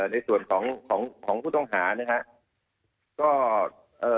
ในส่วนของผู้ต้องหานะครับ